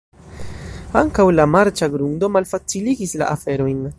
Ankaŭ la marĉa grundo malfaciligis la aferojn.